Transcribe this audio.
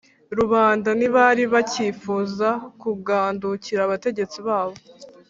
rubanda ntibari bacyifuza kugandukira abategetsi babo